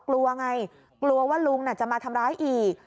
กลัวไงกลัวว่าลุงจะมาทำร้ายอีก